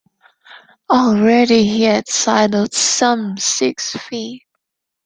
Already he had sidled some six feet.